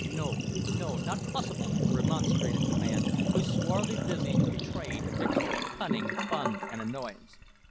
"No, no, not possibil," remonstrated the man, whose swarthy visage betrayed a mixture of cunning, fun, and annoyance.